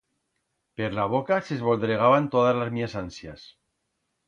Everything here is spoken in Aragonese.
Per la boca s'esvoldregaban todas las mías ansias.